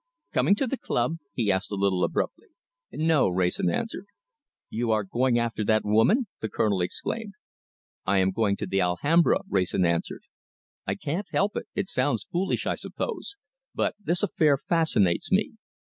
"Coming to the club?" he asked, a little abruptly. "No!" Wrayson answered. "You are going after that woman?" the Colonel exclaimed. "I am going to the Alhambra," Wrayson answered. "I can't help it. It sounds foolish, I suppose, but this affair fascinates me.